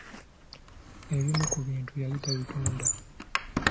Ebimu ku bintu yali tabitunda.